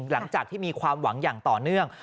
หลังจากที่มีความหวังอย่างต่อเนื่อง